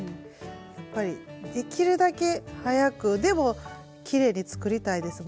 やっぱりできるだけ早くでもきれいに作りたいですもんね。